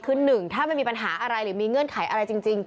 คือหนึ่งถ้ามันมีปัญหาอะไรหรือมีเงื่อนไขอะไรจริง